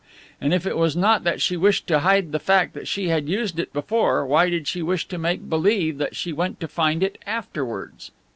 And if it was not that she wished to hide the fact that she had used it before, why did she wish to make believe that she went to find it afterwards?